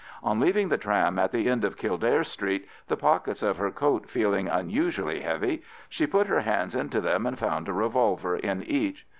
On leaving the tram at the end of Kildare Street, the pockets of her coat feeling unusually heavy, she put her hands into them and found a revolver in each.